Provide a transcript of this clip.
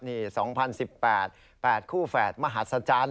นี่๒๐๑๘๘คู่แฝดมหาศจรรย์